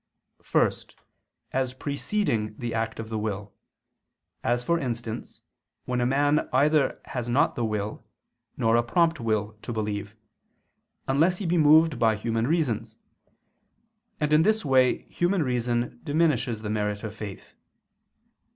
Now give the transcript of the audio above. First, as preceding the act of the will; as, for instance, when a man either has not the will, or not a prompt will, to believe, unless he be moved by human reasons: and in this way human reason diminishes the merit of faith.